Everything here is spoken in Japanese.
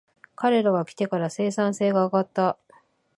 彼らが来てから生産性が上がった